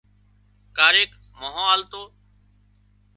ڪاريڪ مانه آلتو